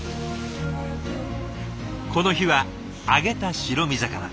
この日は揚げた白身魚。